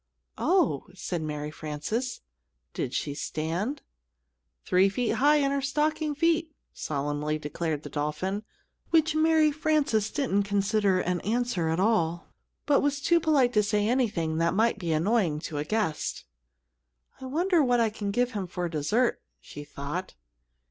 "Oh!" said Mary Frances, "did she stand?" "Three feet high in her stocking feet," solemnly declared the dolphin, which Mary Frances didn't consider an answer at all; but was too polite to say anything that might be annoying to a guest. "I wonder what I can give him for dessert?" she thought.